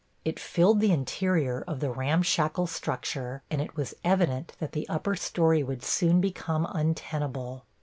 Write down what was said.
It filled the interior of the ramshackle structure, and it was evident that the upper story would soon become untenable.